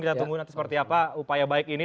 kita tunggu nanti seperti apa upaya baik ini